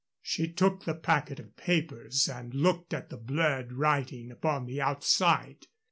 She took the packet of papers and looked at the blurred writing upon the outside.